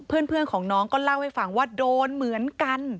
เพื่อนของน้องก็เล่าให้ฟังว่าโดนเหมือนกัน